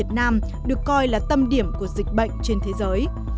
bệnh nhân việt nam được coi là tâm điểm của dịch bệnh trên thế giới